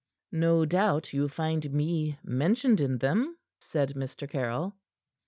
"No doubt you find me mentioned in them," said Mr. Caryll.